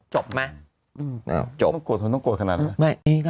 จบมั้ยจบ